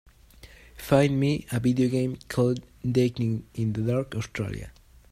Find me a video game called Dating in the Dark Australia